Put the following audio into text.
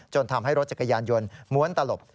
ทำให้รถจักรยานยนต์ม้วนตลบ